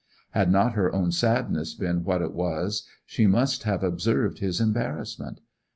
Had not her own sadness been what it was she must have observed his embarrassment.